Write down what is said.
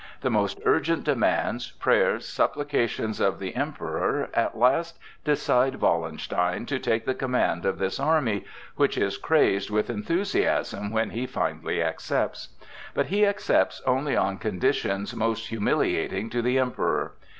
The most urgent demands, prayers, supplications of the Emperor at last decide Wallenstein to take the command of this army, which is crazed with enthusiasm when he finally accepts. But he accepts only on conditions most humiliating to the Emperor.